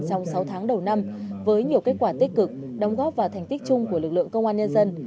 trong sáu tháng đầu năm với nhiều kết quả tích cực đóng góp vào thành tích chung của lực lượng công an nhân dân